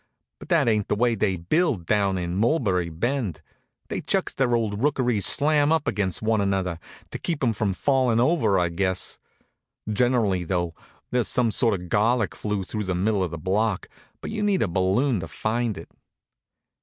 But that ain't the way they build down in Mulberry Bend. They chucks their old rookeries slam up against one another, to keep 'em from fallin' over, I guess. Generally though, there's some sort of garlic flue through the middle of the block, but you need a balloon to find it.